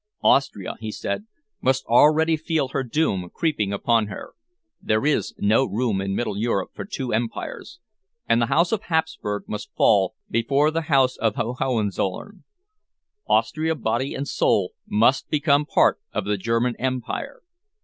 "Austria," he said, "must already feel her doom creeping upon her. There is no room in middle Europe for two empires, and the House of Hapsburg must fall before the House of Hohenzollern. Austria, body and soul, must become part of the German Empire.